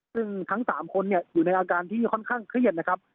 ซึ่งทั้ง๓คนอยู่ในอาการที่ค่อนข้างเครียดนะครับ